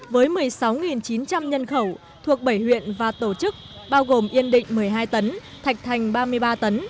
với một mươi sáu chín trăm linh nhân khẩu thuộc bảy huyện và tổ chức bao gồm yên định một mươi hai tấn thạch thành ba mươi ba tấn